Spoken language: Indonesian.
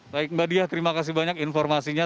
baik mbak diah terima kasih banyak informasinya